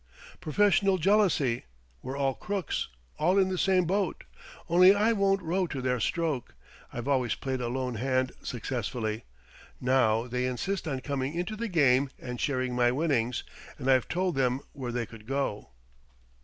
"Professional jealousy. We're all crooks, all in the same boat, only I won't row to their stroke. I've always played a lone hand successfully; now they insist on coming into the game and sharing my winnings. And I've told them where they could go."